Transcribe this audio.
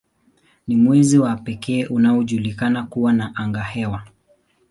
Ni mwezi wa pekee unaojulikana kuwa na angahewa.